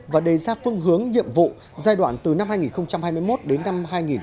và đề ra phương hướng nhiệm vụ giai đoạn từ năm hai nghìn hai mươi một đến năm hai nghìn ba mươi